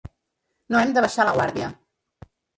No hem de baixar la guàrdia.